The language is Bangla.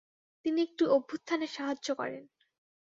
তিনি একটি অভ্যুত্থানে সাহায্য করেন।